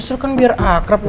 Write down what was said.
lo kan biar akrab